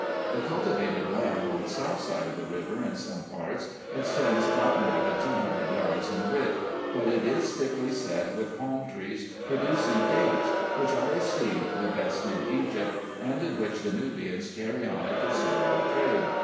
The cul tivated land on the south side of the river in some parts extends not more than two hundred yards in width ; but it is thickly set with palm trees, producing dates, which are esteemed the best in Egypt, and in which the Nubians carry on a considerable trade.